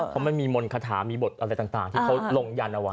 เพราะมันมีมนต์คาถามีบทอะไรต่างที่เขาลงยันเอาไว้